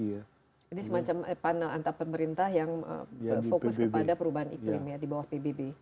jadi semacam panel antar pemerintah yang fokus kepada perubahan iklim di bawah pbb